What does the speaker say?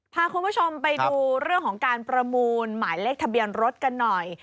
พาคุณผู้ชมไปดูเรื่องของการประมูลหมายเลขทะเบียนรถกันหน่อย